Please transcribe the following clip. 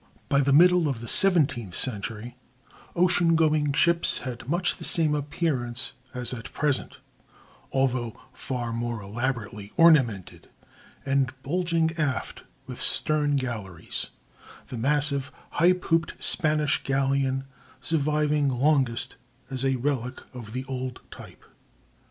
By the middle of the seventeenth century ocean going ships had much the same appearance as at present,—although far more elaborately ornamented and bulging aft with stern galleries,—the massive, high pooped Spanish galleon surviving longest as a relic of the old type.